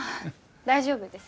大丈夫です